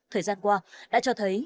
thời gian qua đã cho thấy